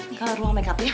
ini ruang makeupnya